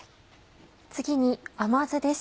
次に甘酢です。